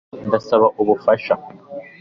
Ndasaba ubufasha